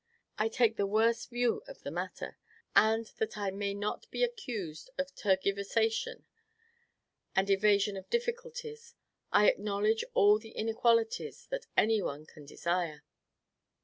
I take the worst view of the matter; and, that I may not be accused of tergiversation and evasion of difficulties, I acknowledge all the inequalities that any one can desire.